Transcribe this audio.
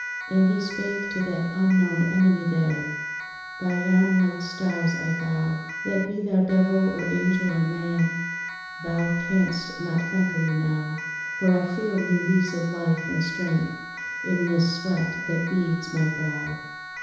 And he spake to that unknown enemy there, "By yon white stars I vow, That be thou devil or angel or man, Thou canst not conquer me now; For I feel new lease of life and strength In this sweat that beads my brow."